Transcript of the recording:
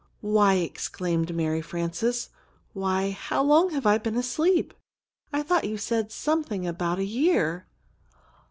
"Why," exclaimed Mary Frances, "why, how long have I been asleep? I thought you said something about a year!"